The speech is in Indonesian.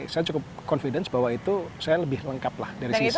saya cukup confidence bahwa itu saya lebih lengkap lah dari sisi saya